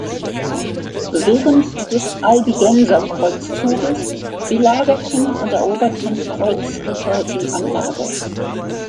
Während des Albigenserkreuzzuges belagerten und eroberten Kreuzritter die Anlage.